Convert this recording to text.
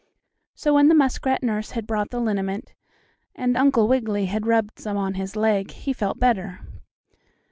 So when the muskrat nurse had brought the liniment, and Uncle Wiggily had rubbed some on his leg, he felt better.